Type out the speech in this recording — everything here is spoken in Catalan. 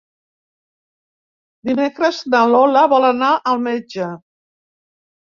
Dimecres na Lola vol anar al metge.